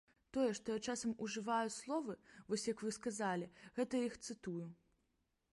Тое, што я часам ужываю словы, вось як вы сказалі, гэта я іх цытую.